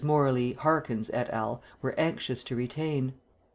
Morley, Harkins, et al., were anxious to retain.